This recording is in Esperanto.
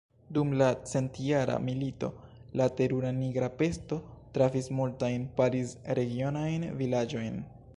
Dum la centjara milito, la terura nigra pesto trafis multajn Pariz-regionajn vilaĝojn.